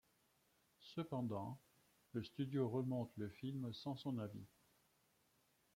Cependant le studio remonte le film sans son avis.